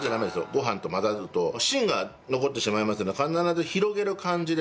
ご飯と混ざると芯が残ってしまいますので必ず広げる感じです。